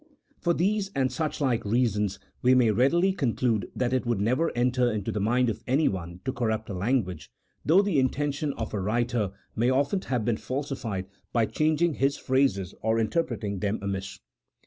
For these and such like reasons we may readily conclude that it would never enter into the mind of anyone to corrupt a language, though the intention of a writer may 103 A THEOLOGICO POLITICAL TREATISE. [CHAP. VII. often have been falsified by changing his phrases or inter preting them amiss.